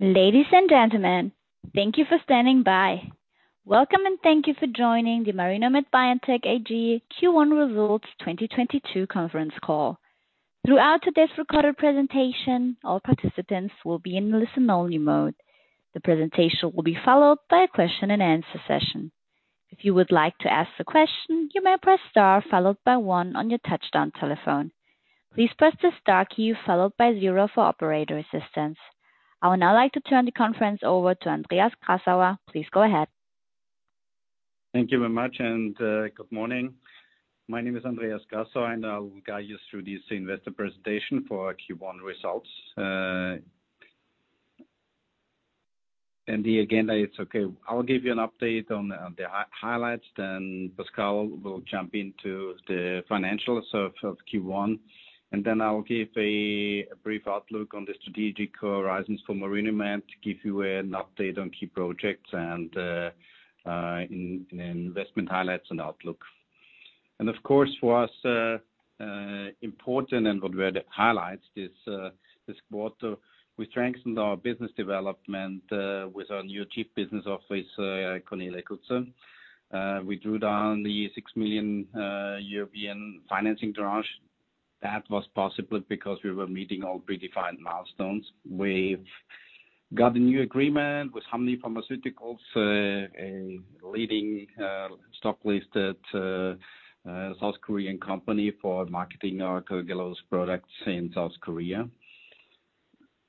Ladies and gentlemen, thank you for standing by. Welcome, and thank you for joining the Marinomed Biotech AG Q1 2022 Results conference call. Throughout today's recorded presentation, all participants will be in listen-only mode. The presentation will be followed by a question-and-answer session. If you would like to ask a question, you may press star followed by one on your touch-tone telephone. Please press the star key followed by zero for operator assistance. I would now like to turn the conference over to Andreas Grassauer. Please go ahead. Thank you very much, and good morning. My name is Andreas Grassauer, and I will guide you through this investor presentation for our Q1 results. The agenda is okay. I'll give you an update on the highlights, then Pascal will jump into the financials of Q1, and then I'll give a brief outlook on the strategic horizons for Marinomed to give you an update on key projects and investment highlights and outlook. Of course, for us, important and what were the highlights this quarter, we strengthened our business development with our new Chief Business Officer, Cornelia Kutzer. We drew down 6 million European financing tranche. That was possible because we were meeting all predefined milestones. We've got a new agreement with Hanmi Pharmaceutical Co., Ltd, a leading, stock listed, South Korean company for marketing our Carragelose products in South Korea.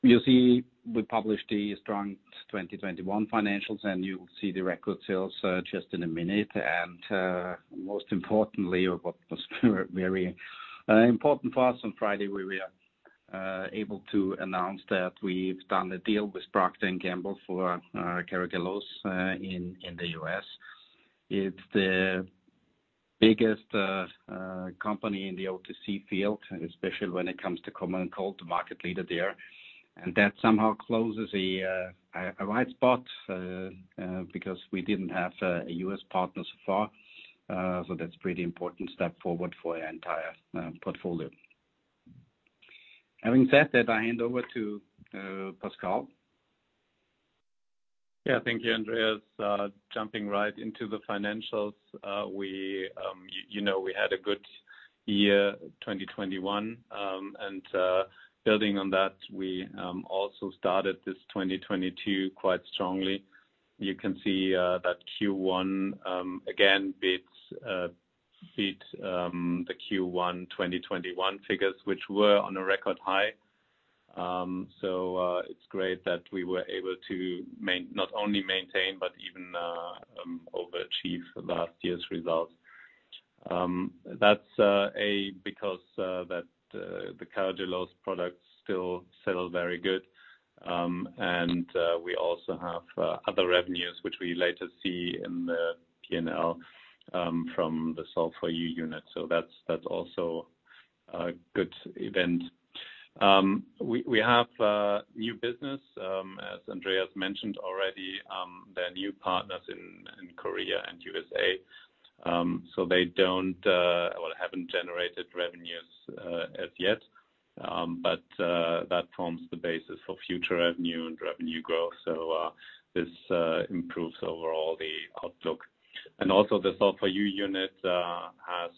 You see, we published the strong 2021 financials, and you'll see the record sales just in a minute. Most importantly, or what was very important for us on Friday, we were able to announce that we've done a deal with Procter & Gamble for Carragelose in the U.S. It's the biggest company in the OTC field, especially when it comes to common cold market leader there. That somehow closes a white spot because we didn't have a U.S. partner so far. That's pretty important step forward for the entire portfolio. Having said that, I hand over to Pascal. Yeah. Thank you, Andreas. Jumping right into the financials. We, you know, had a good year, 2021. Building on that, we also started this 2022 quite strongly. You can see that Q1 again beat the Q1 2021 figures, which were on a record high. It's great that we were able to not only maintain, but even overachieve last year's results. That's because the Carragelose products still sell very good. We also have other revenues which we later see in the P&L from the Solv4U unit. That's also a good event. We have new business, as Andreas mentioned already, the new partners in Korea and USA. They don't, or haven't generated revenues as yet. That forms the basis for future revenue and revenue growth. This improves overall the outlook. Also the Solv4U unit has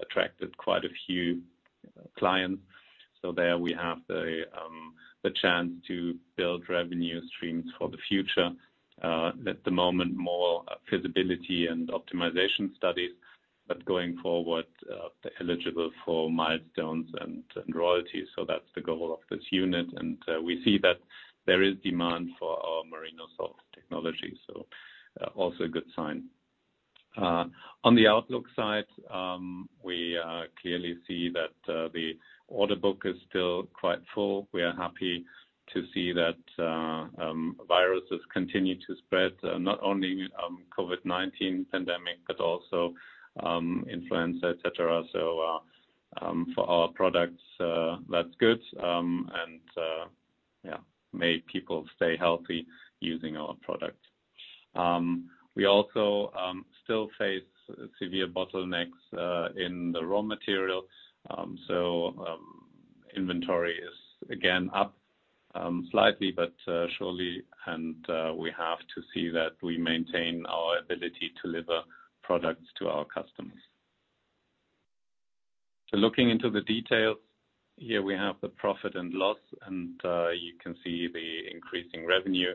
attracted quite a few clients. There we have the chance to build revenue streams for the future. At the moment, more feasibility and optimization studies, but going forward, they're eligible for milestones and royalties. That's the goal of this unit. We see that there is demand for our Marinosolv technology. Also a good sign. On the outlook side, we clearly see that the order book is still quite full. We are happy to see that viruses continue to spread, not only COVID-19 pandemic, but also influenza, et cetera. For our products, that's good. Yeah, may people stay healthy using our product. We also still face severe bottlenecks in the raw material. Inventory is again up slightly, but surely. We have to see that we maintain our ability to deliver products to our customers. Looking into the details here, we have the profit and loss, and you can see the increasing revenue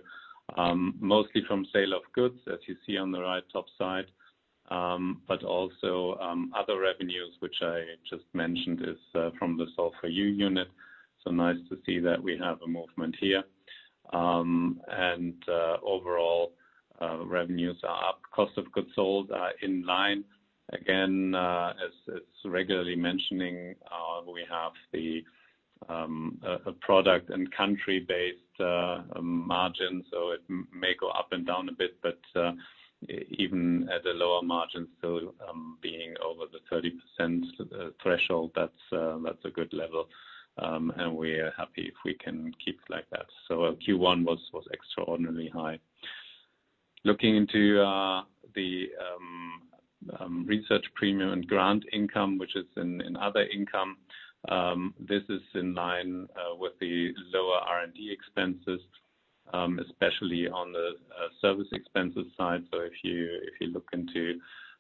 mostly from sale of goods, as you see on the right top side. But also other revenues which I just mentioned is from the Solv4U unit. Nice to see that we have a movement here. Overall, revenues are up. Cost of goods sold are in line. Again, as regularly mentioning, we have the a product and country-based margin, so it may go up and down a bit. Even at the lower margin, still, being over the 30% threshold, that's a good level. We are happy if we can keep like that. Q1 was extraordinarily high. Looking into the research premium and grant income, which is in other income, this is in line with the lower R&D expenses, especially on the service expenses side. If you look into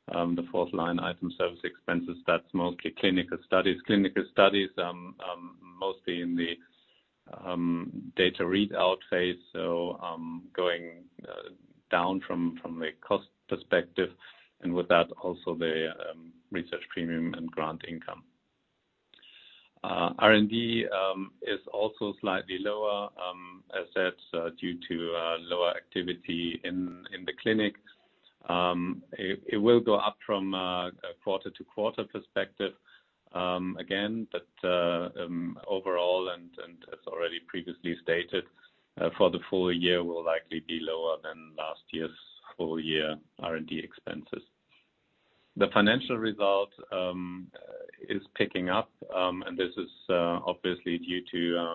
the fourth line item service expenses, that's mostly clinical studies. Clinical studies mostly in the data readout phase. Going down from the cost perspective, and with that also the research premium and grant income. R&D is also slightly lower, as said, due to lower activity in the clinic. It will go up from a quarter-to-quarter perspective, again, but overall and as already previously stated, for the full year will likely be lower than last year's full year R&D expenses. The financial result is picking up, and this is obviously due to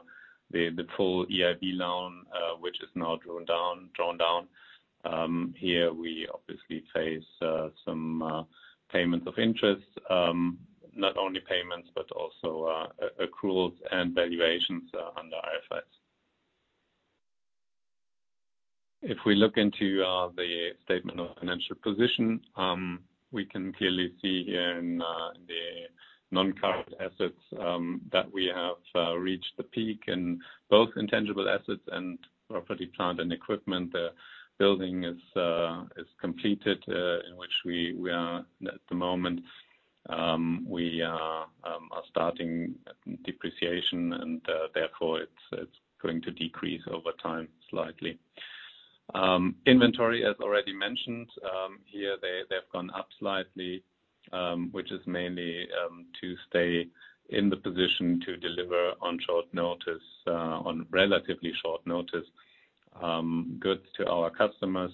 the full EIB loan, which is now drawn down. Here we obviously face some payments of interest, not only payments, but also accruals and valuations under IFRS. If we look into the statement of financial position, we can clearly see here in the non-current assets that we have reached the peak in both intangible assets and property, plant, and equipment. The building is completed in which we are at the moment we are starting depreciation and therefore it's going to decrease over time slightly. Inventory, as already mentioned, here they've gone up slightly, which is mainly to stay in the position to deliver on short notice on relatively short notice goods to our customers,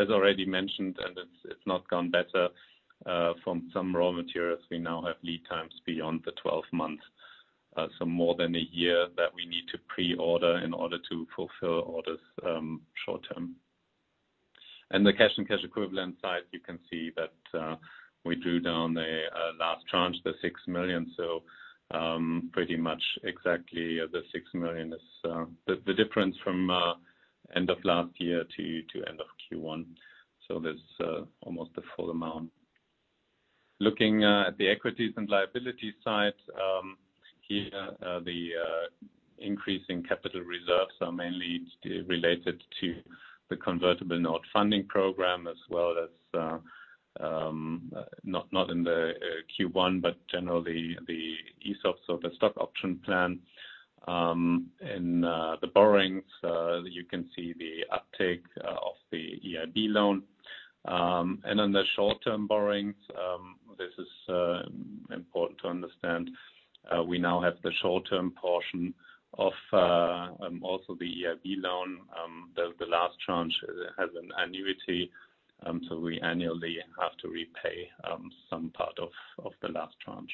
as already mentioned, and it's not gone better. From some raw materials, we now have lead times beyond the 12 months, so more than a year that we need to pre-order in order to fulfill orders, short-term. In the cash and cash equivalent side, you can see that we drew down the last tranche, the 6 million. Pretty much exactly the 6 million is the difference from end of last year to end of Q1. That's almost the full amount. Looking at the equities and liabilities side, here the increase in capital reserves are mainly related to the convertible note funding program as well as not in the Q1, but generally the ESOP, so the stock option plan. In the borrowings, you can see the uptake of the EIB loan. On the short-term borrowings, this is important to understand. We now have the short-term portion of also the EIB loan. The last tranche has an annuity, so we annually have to repay some part of the last tranche.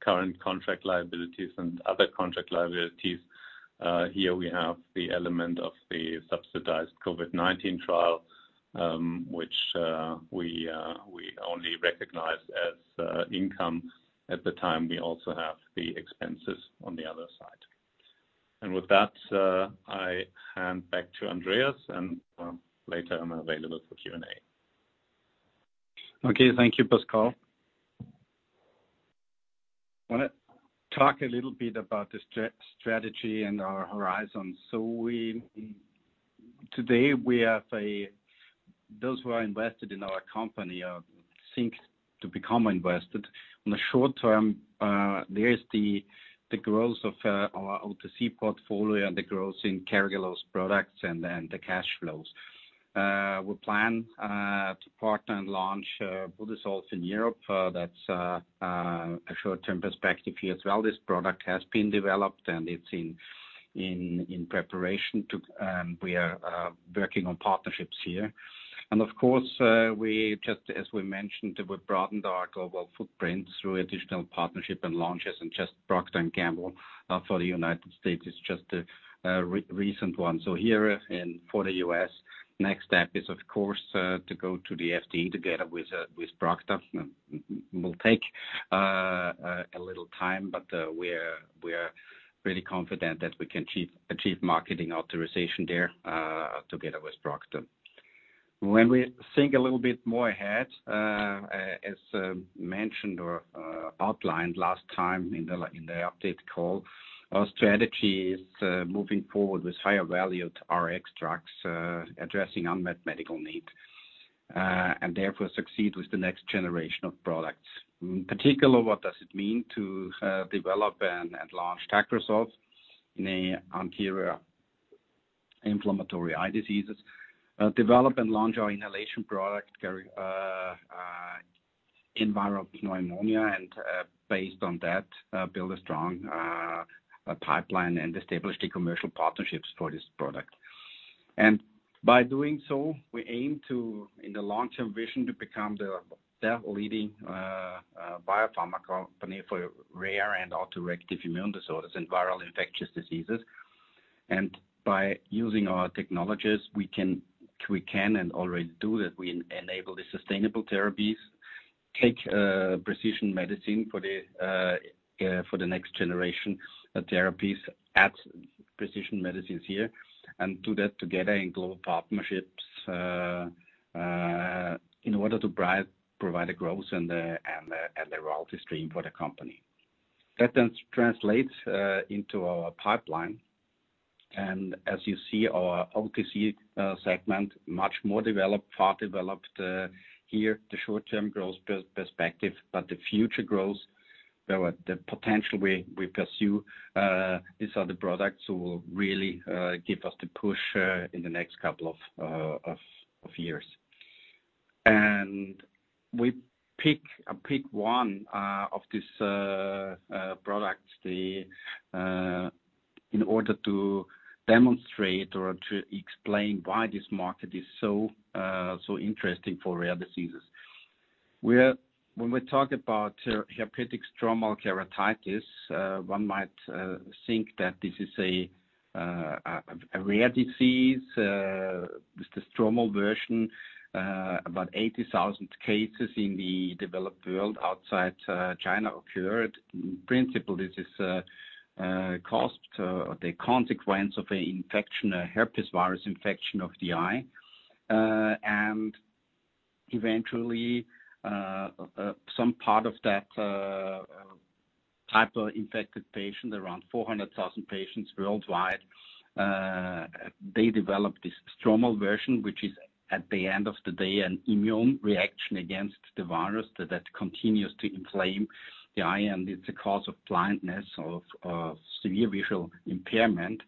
Current contract liabilities and other contract liabilities, here we have the element of the subsidized COVID-19 trial, which we only recognize as income at the time we also have the expenses on the other side. With that, I hand back to Andreas, and later I'm available for Q&A. Okay. Thank you, Pascal. Wanna talk a little bit about the strategy and our horizon. Today we have those who are invested in our company or think to become invested. In the short term, there is the growth of our OTC portfolio and the growth in Carragelose products and then the cash flows. We plan to partner and launch Budesolv in Europe. That's a short-term perspective here as well. This product has been developed, and it's in preparation. We are working on partnerships here. Of course, we just, as we mentioned, we've broadened our global footprint through additional partnership and launches and just Procter & Gamble for the United States is just a recent one. Here, for the U.S., next step is of course to go to the FDA together with Procter & Gamble. It will take a little time, but we're really confident that we can achieve marketing authorization there together with Procter & Gamble. When we think a little bit more ahead, as mentioned or outlined last time in the update call, our strategy is moving forward with higher valued Rx drugs addressing unmet medical need and therefore succeed with the next generation of products. In particular, what does it mean to develop and launch Tacrosolv in the anterior inflammatory eye diseases, develop and launch our inhalation product Carragelose in viral pneumonia, and based on that, build a strong pipeline and establish the commercial partnerships for this product. By doing so, we aim to, in the long-term vision, to become the leading biopharma company for rare and auto-reactive immune disorders and viral infectious diseases. By using our technologies, we can and already do that. We enable the sustainable therapies, take precision medicine for the next generation therapies, add precision medicines here, and do that together in global partnerships, in order to provide a growth and a royalty stream for the company. That then translates into our pipeline. As you see, our OTC segment, much more developed, far developed here, the short-term growth perspective, but the future growth, where the potential we pursue, these are the products that will really give us the push in the next couple of years. We pick one of these products. In order to demonstrate or to explain why this market is so interesting for rare diseases. When we talk about herpetic stromal keratitis, one might think that this is a rare disease, with the stromal version, about 80,000 cases in the developed world outside China occurred. In principle, this is caused or the consequence of a infection, a herpes virus infection of the eye. Eventually, some part of that herpes-infected patient, around 400,000 patients worldwide, they develop this stromal version, which is at the end of the day an immune reaction against the virus that continues to inflame the eye, and it's a cause of blindness, of severe visual impairment,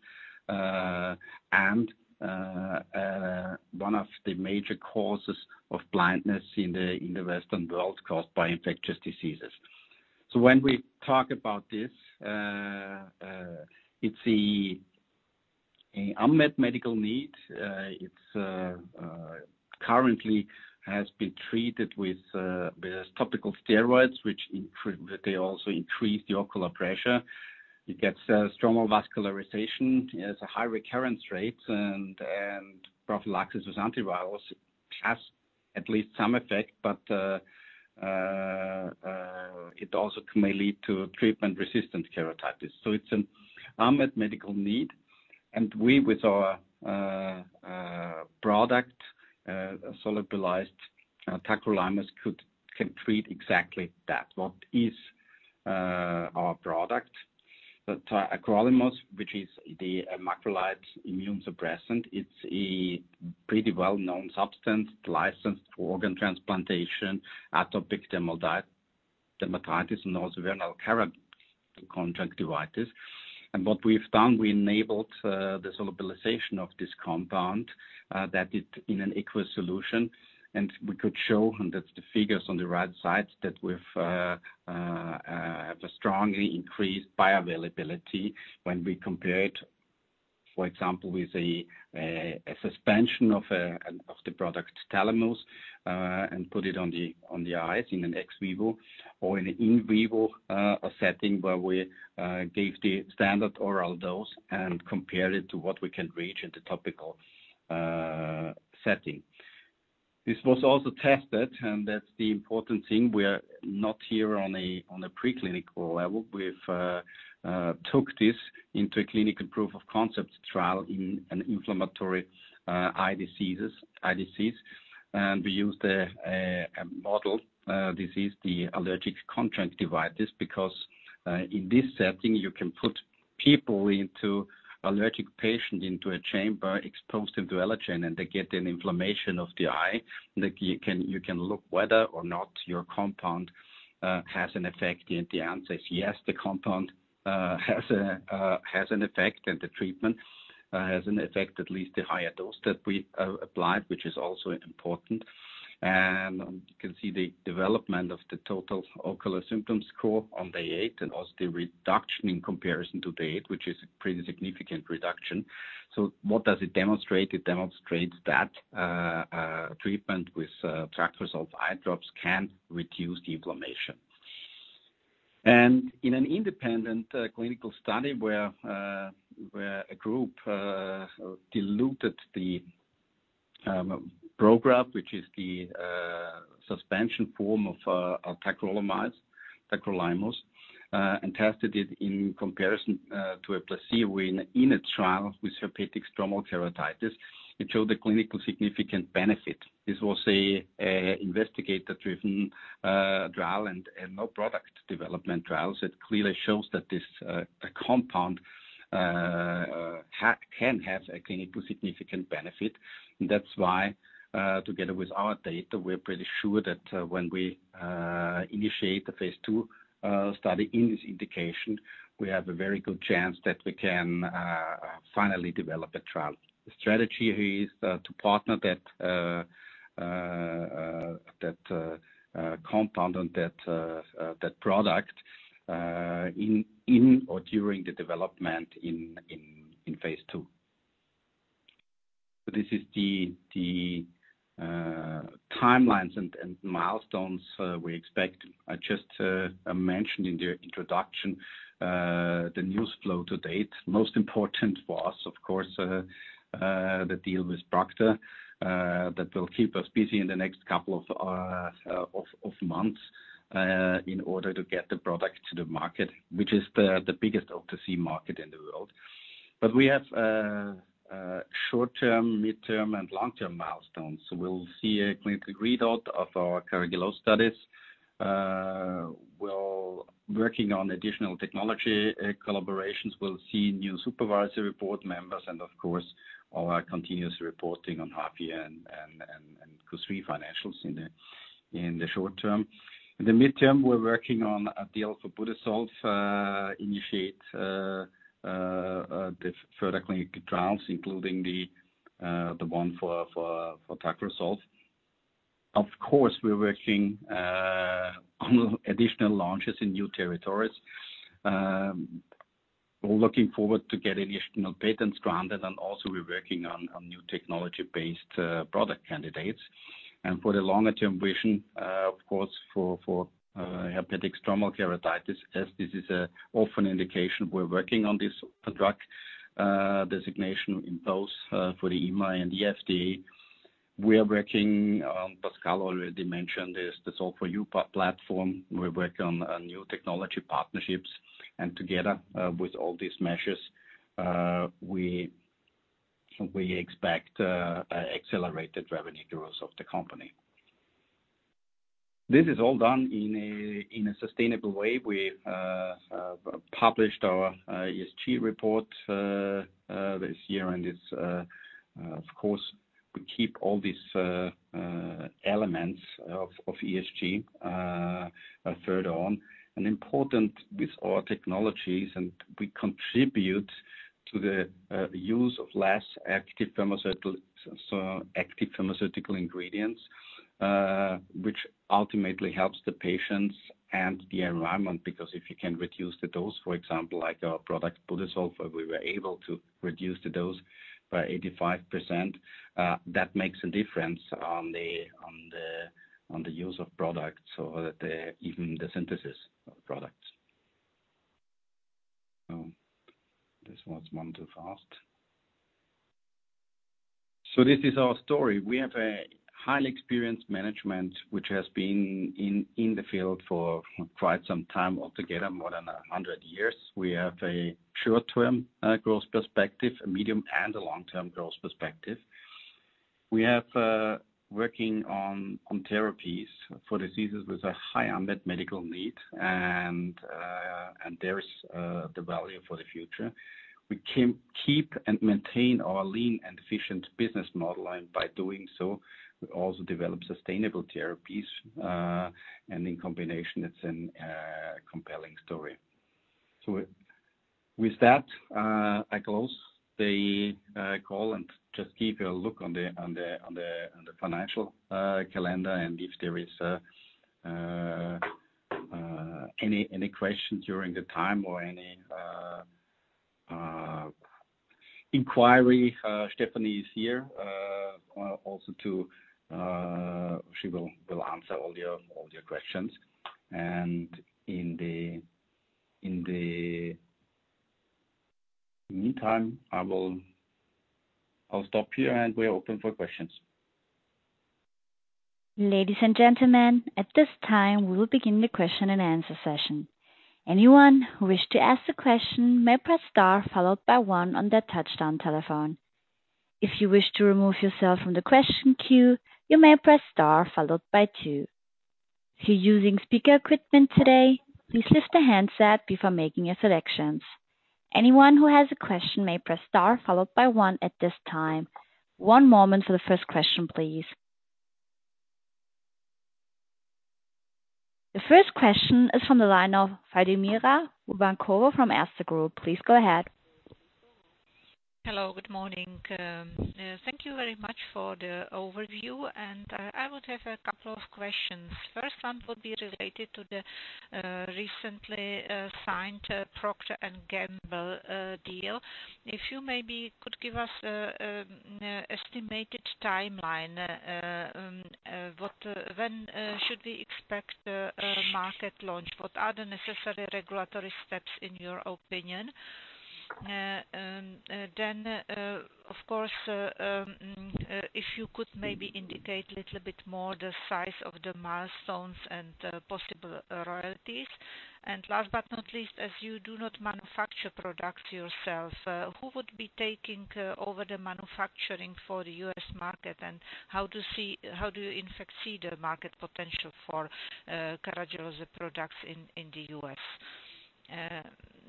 and one of the major causes of blindness in the Western world caused by infectious diseases. When we talk about this, it's an unmet medical need. It's currently has been treated with topical steroids, which they also increase the ocular pressure. It gets stromal vascularization. It has a high recurrence rate, and prophylaxis with antivirals has at least some effect, but it also may lead to treatment-resistant keratitis. It's an unmet medical need. We, with our product, solubilized tacrolimus can treat exactly that. What is our product? The tacrolimus, which is the macrolide immunosuppressant. It's a pretty well-known substance licensed for organ transplantation, atopic dermatitis, and also vernal keratoconjunctivitis. What we've done, we enabled the solubilization of this compound that it in an aqueous solution. We could show, and that's the figures on the right side, that we have a strongly increased bioavailability when we compare it, for example, with a suspension of the product, Tälemus, and put it on the eyes in an ex vivo or in vivo setting where we gave the standard oral dose and compared it to what we can reach at the topical setting. This was also tested, and that's the important thing. We're not here on a preclinical level. We've took this into a clinical proof of concept trial in an inflammatory eye disease. We used a model disease, the allergic conjunctivitis, because in this setting, you can put allergic patient into a chamber, expose them to allergen, and they get an inflammation of the eye. Like you can look whether or not your compound has an effect. The answer is yes, the compound has an effect and the treatment has an effect, at least the higher dose that we applied, which is also important. You can see the development of the total ocular symptom score on day eight, and also the reduction in comparison to base, which is a pretty significant reduction. What does it demonstrate? It demonstrates that treatment with tacrolimus eyedrops can reduce the inflammation. In an independent clinical study where a group diluted the Prograf, which is the suspension form of tacrolimus, and tested it in comparison to a placebo in a trial with herpetic stromal keratitis, it showed a clinically significant benefit. This was a investigator-driven trial and no product development trials. It clearly shows that this compound can have a clinically significant benefit. That's why, together with our data, we're pretty sure that, when we initiate the phase two study in this indication, we have a very good chance that we can finally develop a trial. The strategy here is to partner that compound and that product in or during the development in phase two. This is the timelines and milestones we expect. I just mentioned in the introduction the news flow to date. Most important for us, of course, the deal with Procter & Gamble that will keep us busy in the next couple of months in order to get the product to the market, which is the biggest OTC market in the world. We have short-term, mid-term, and long-term milestones. We'll see a clinical readout of our Kerugelo studies. We're working on additional technology collaborations. We'll see new supervisory board members and of course, our continuous reporting on half year and Q3 financials in the short-term. In the mid-term, we're working on a deal for Budesolv, initiate the further clinical trials, including the one for Tacrosolv. Of course, we're working on additional launches in new territories. We're looking forward to get additional patents granted, and also we're working on new technology-based product candidates. For the longer-term vision, of course, for herpetic stromal keratitis, as this is an orphan indication, we're working on this drug designation in both for the EMA and the FDA. We are working, Pascal already mentioned this, the Solv4U platform. We work on new technology partnerships, and together with all these measures, we expect a accelerated revenue growth of the company. This is all done in a sustainable way. We've published our ESG report this year, and it's of course, we keep all these elements of ESG further on. Important with our technologies, and we contribute to the use of less active pharmaceutical ingredients, which ultimately helps the patients and the environment, because if you can reduce the dose, for example, like our product Budesolv, we were able to reduce the dose by 85%. That makes a difference on the use of products or even the synthesis of products. This is our story. We have a highly experienced management which has been in the field for quite some time altogether, more than 100 years. We have a short-term growth perspective, a medium and a long-term growth perspective. We have working on therapies for diseases with a high unmet medical need and there is the value for the future. We can keep and maintain our lean and efficient business model, and by doing so, we also develop sustainable therapies and in combination, it's a compelling story. With that, I close the call and just keep a look on the financial calendar and if there is any questions during the time or any inquiry, Stephanie is here, also she will answer all your questions. In the meantime, I will, I'll stop here and we are open for questions. Ladies and gentlemen, at this time, we will begin the question and answer session. Anyone who wishes to ask a question may press star followed by one on their touch-tone telephone. If you wish to temove yourself from the question queue, you may press star followed by two. If you're using speaker equipment today, please lift the handset before making your selections. Anyone who has a question may press star followed by one at this time. One moment for the first question, please. The first question is from the line of Vladimira Urbankova from Erste Group. Please go ahead. Hello. Good morning. Thank you very much for the overview. I would have a couple of questions. First one would be related to the recently signed Procter & Gamble deal. If you maybe could give us an estimated timeline, when should we expect the market launch? What are the necessary regulatory steps in your opinion? Then, of course, if you could maybe indicate little bit more the size of the milestones and possible royalties. Last but not least, as you do not manufacture products yourself, who would be taking over the manufacturing for the U.S. market, and how do you in fact see the market potential for Carragelose products in the U.S.?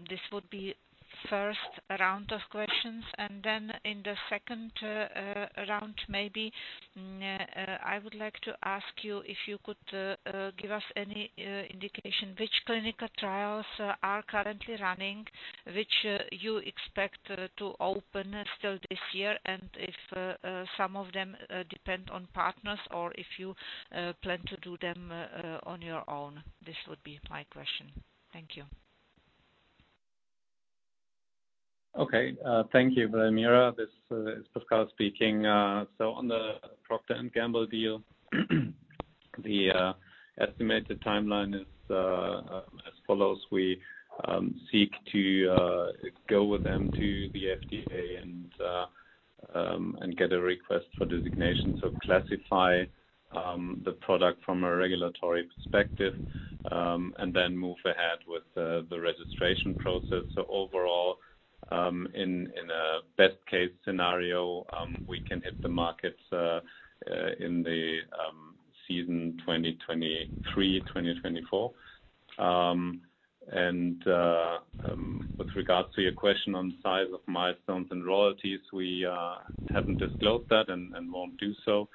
This would be first round of questions. In the second round, maybe, I would like to ask you if you could give us any indication which clinical trials are currently running, which you expect to open still this year, and if some of them depend on partners or if you plan to do them on your own. This would be my question. Thank you. Okay. Thank you, Vladimira. This is Pascal speaking. On the Procter & Gamble deal, the estimated timeline is as follows. We seek to go with them to the FDA and get a request for designation to classify the product from a regulatory perspective, and then move ahead with the registration process. Overall, in a best case scenario, we can hit the markets in the season 2023-2024. With regards to your question on size of milestones and royalties, we haven't disclosed that and won't do so.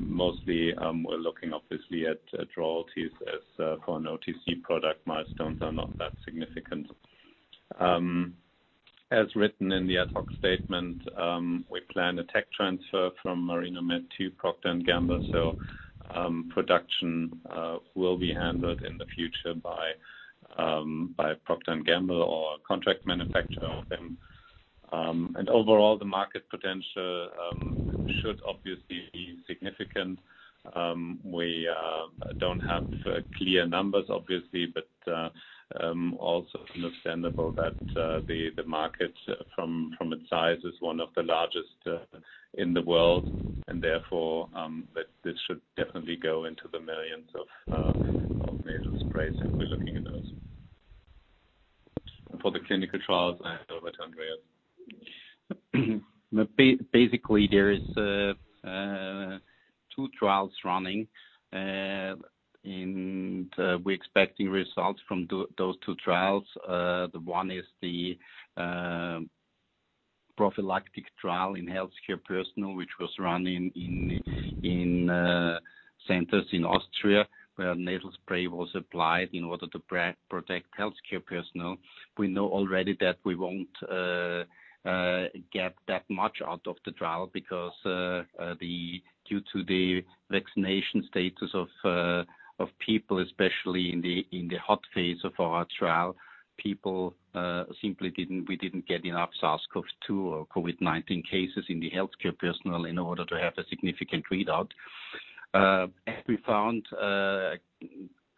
Mostly, we're looking obviously at royalties as for an OTC product, milestones are not that significant. As written in the ad hoc statement, we plan a tech transfer from Marinomed to Procter & Gamble. Production will be handled in the future by Procter & Gamble or a contract manufacturer of them. Overall, the market potential should obviously be significant. We don't have clear numbers, obviously, but also understandable that the market from its size is one of the largest in the world, and therefore, that this should definitely go into the millions of nasal sprays if we're looking at those. For the clinical trials, I hand over to Andreas. Basically, there is two trials running. We're expecting results from those two trials. One is the prophylactic trial in healthcare personnel, which was run in centers in Austria, where nasal spray was applied in order to protect healthcare personnel. We know already that we won't get that much out of the trial because due to the vaccination status of people, especially in the hot phase of our trial, people simply didn't. We didn't get enough SARS-CoV-2 or COVID-19 cases in the healthcare personnel in order to have a significant readout. As we found a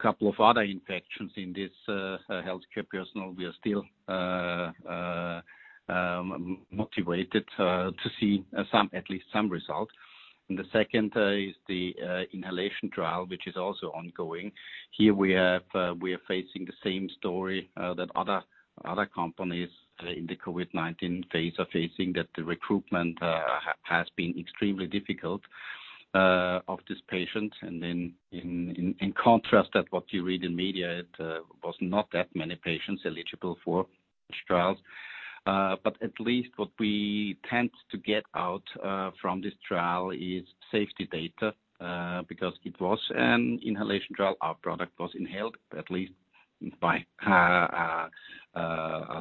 couple of other infections in this healthcare personnel, we are still motivated to see some, at least some result. The second is the inhalation trial, which is also ongoing. Here we have we are facing the same story that other companies in the COVID-19 phase are facing, that the recruitment has been extremely difficult of this patient. In contrast at what you read in media, it was not that many patients eligible for these trials. But at least what we tend to get out from this trial is safety data because it was an inhalation trial. Our product was inhaled, at least by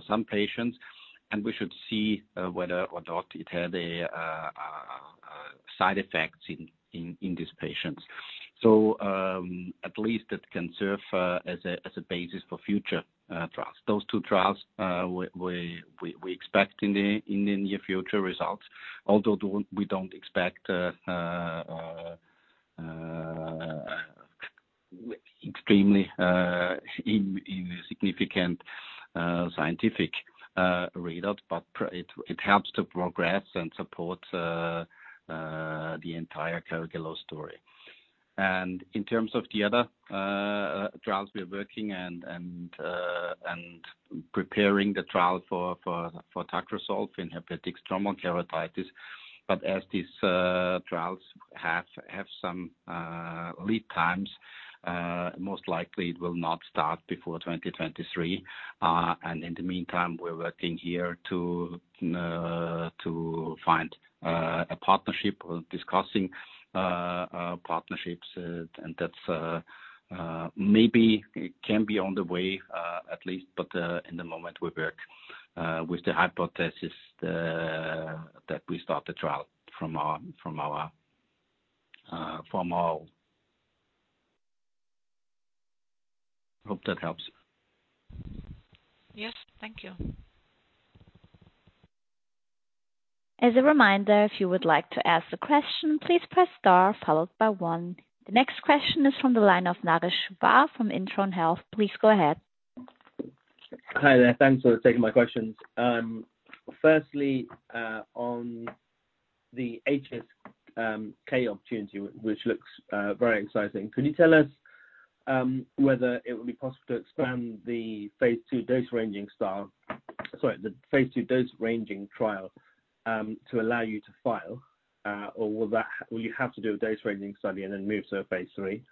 some patients, and we should see whether or not it had side effects in these patients. At least that can serve as a basis for future trials. Those two trials, we expect in the near future results. Although we don't expect extremely insignificant scientific readout, but it helps to progress and support the entire Carragelose story. In terms of the other trials we are working and preparing the trial for Tacrosolv in herpetic stromal keratitis. As these trials have some lead times, most likely it will not start before 2023. In the meantime, we're working here to find a partnership. We're discussing partnerships, and that's maybe can be on the way, at least. At the moment, we work with the hypothesis that we start the trial from our. Hope that helps. Yes. Thank you. As a reminder, if you would like to ask a question, please press star followed by one. The next question is from the line of Naresh Chouhan from Intron Health. Please go ahead. Hi there. Thanks for taking my questions. Firstly, on the HSK opportunity, which looks very exciting. Could you tell us whether it would be possible to expand the phase two dose ranging trial to allow you to file? Or will you have to do a dose ranging study and then move to a phase three?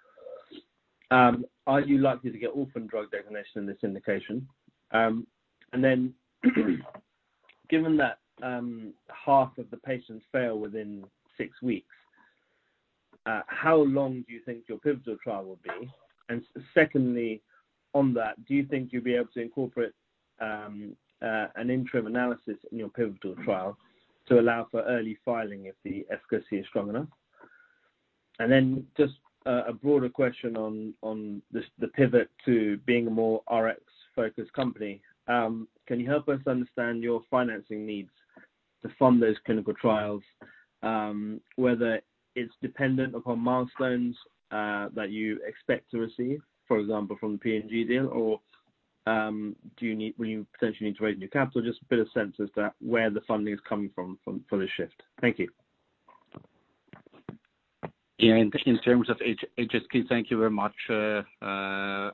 Are you likely to get orphan drug designation in this indication? And then, given that, half of the patients fail within six weeks, how long do you think your pivotal trial will be? Secondly, on that, do you think you'll be able to incorporate an interim analysis in your pivotal trial to allow for early filing if the efficacy is strong enough? Then just a broader question on this, the pivot to being a more Rx-focused company. Can you help us understand your financing needs to fund those clinical trials, whether it's dependent upon milestones that you expect to receive, for example, from the P&G deal? Or, will you potentially need to raise new capital? Just a bit of sense as to where the funding is coming from for the shift. Thank you. Yeah. In terms of HSK, thank you very much for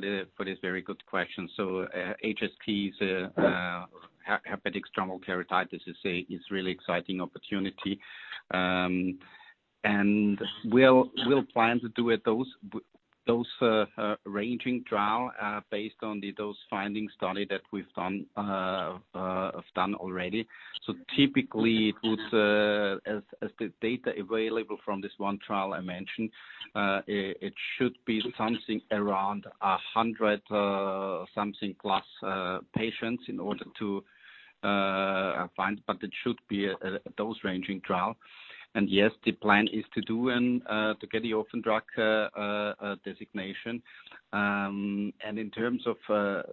this very good question. HSK, Herpetic Stromal Keratitis, is really exciting opportunity. We'll plan to do the dose-ranging trial based on the findings of the study that we've done already. Typically it would, as the data available from this one trial I mentioned, it should be something around 100 something plus patients in order to find, but it should be a dose-ranging trial. Yes, the plan is to do it and to get the Orphan Drug Designation. In terms of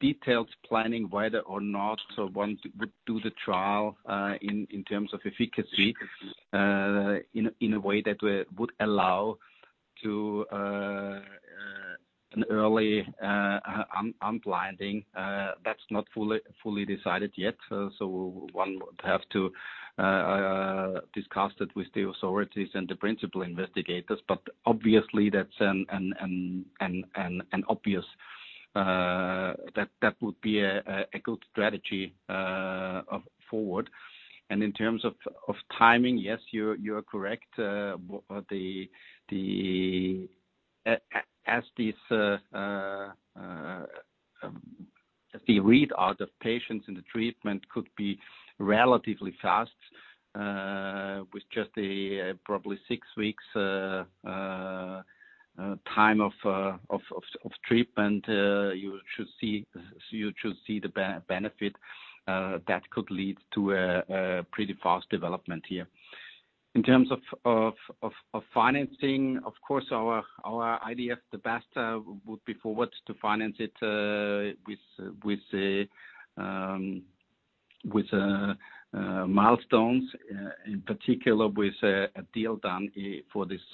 details planning whether or not one would do the trial in terms of efficacy in a way that would allow an early unblinding, that's not fully decided yet. One would have to discuss it with the authorities and the principal investigators. Obviously that's an obvious that would be a good strategy going forward. In terms of timing, yes, you're correct. As these patients in the treatment could be relatively fast with just probably 6 weeks time of treatment. You should see the benefit that could lead to a pretty fast development here. In terms of financing, of course, our idea of the best would be preferred to finance it with milestones in particular with a deal done for this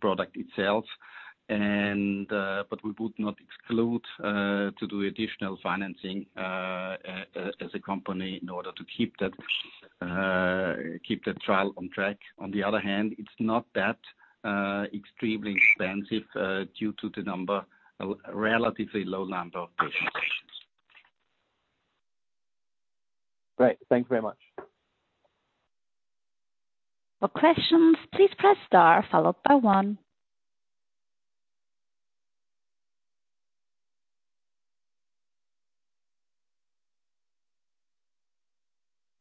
product itself. We would not exclude to do additional financing as a company in order to keep that trial on track. On the other hand, it's not that extremely expensive due to the relatively low number of patient populations. Great. Thank you very much. For questions, please press star followed by one.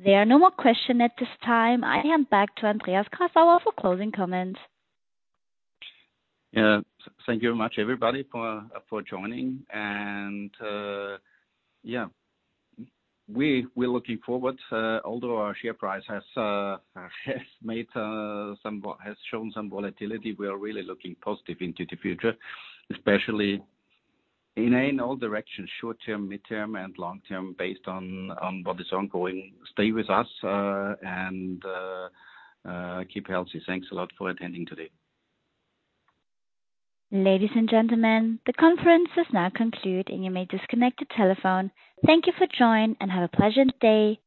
There are no more question at this time. I hand back to Andreas Grassauer for closing comments. Yeah. Thank you very much, everybody, for joining and, yeah, we're looking forward, although our share price has shown some volatility, we are really looking positive into the future, especially in all directions, short term, midterm, and long term based on what is ongoing. Stay with us and keep healthy. Thanks a lot for attending today. Ladies and gentlemen, the conference is now concluded, and you may disconnect your telephone. Thank you for joining, and have a pleasant day.